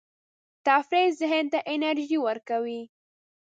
تفریح ذهن ته انرژي ورکوي.